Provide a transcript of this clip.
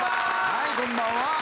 はいこんばんは！